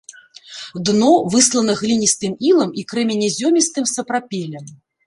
Дно выслана гліністым ілам і крэменязёмістым сапрапелем.